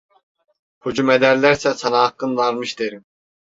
Hücum ederlerse sana hakkın varmış derim…